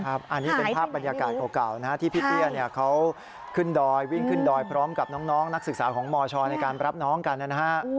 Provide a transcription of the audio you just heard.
อันนี้เป็นภาพบรรยากาศเก่าที่พี่เตี้ยเขาขึ้นดอยวิ่งขึ้นดอยพร้อมกับน้องนักศึกษาของมชในการรับน้องกันนะฮะ